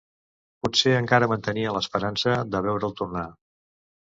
Potser encara mantenia l’esperança de veure’l tornar.